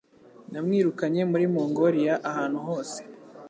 Namwirukanye muri Mongoliya, ahantu hose.